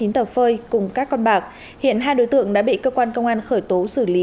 hai trăm sáu mươi chín tờ phơi cùng các con bạc hiện hai đối tượng đã bị cơ quan công an khởi tố xử lý